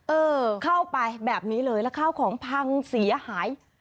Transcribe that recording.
เออเข้าไปแบบนี้เลยแล้วข้าวของพังเสียหาย